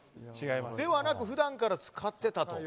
ではなく普段から使ってたと。